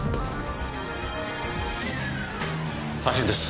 大変です。